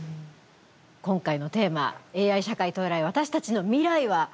今回のテーマ「ＡＩ社会到来私たちの未来は？」。